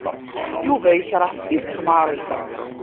Yuba yekreh s tidet Mary.